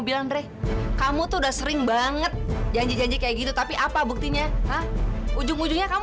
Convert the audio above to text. bilang deh kamu tuh udah sering banget janji janji kayak gitu tapi apa buktinya ujung ujungnya kamu